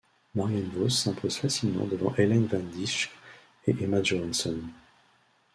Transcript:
Marianne Vos s'impose facilement devant Ellen van Dijk et Emma Johansson.